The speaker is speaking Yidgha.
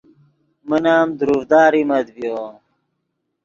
من ام دروڤدا ریمت ڤیو